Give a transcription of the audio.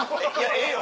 ええよ。